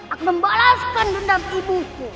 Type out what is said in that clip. aku membalaskan dendam ibuku